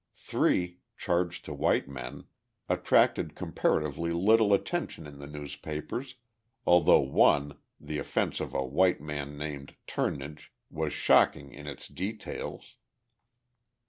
Three, charged to white men, attracted comparatively little attention in the newspapers, although one, the offence of a white man named Turnadge, was shocking in its details.